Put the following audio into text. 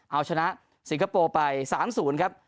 เอาชนะสิงคโปร์ไป๓๐ครับ